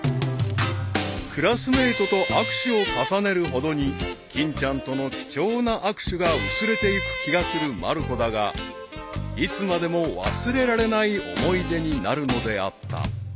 ［クラスメートと握手を重ねるほどに欽ちゃんとの貴重な握手が薄れていく気がするまる子だがいつまでも忘れられない思い出になるのであった］